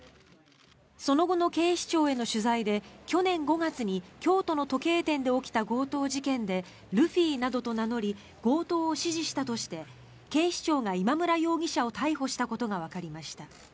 その後の警視庁への取材で去年５月に京都の時計店で起きた強盗事件でルフィなどと名乗り強盗を指示したとして警視庁が今村容疑者を逮捕したことがわかりました。